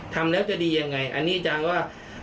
ทำแล้วจะดียังไงอันนี้อาจารย์ว่า